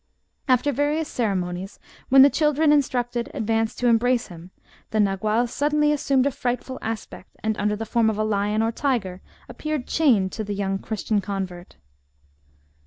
After various cere monies, when the child instructed advanced to embrace him, the Nagual suddenly assumed a frightful aspect, and under the form of a lion or tig^l*, appeared chained to the young Christian convert.